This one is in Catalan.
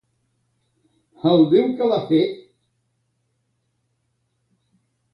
El Déu que l'ha fet!